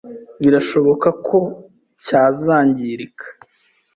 birashoboka ko cyazangirika